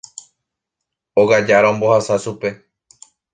Óga jára ombohasa chupe.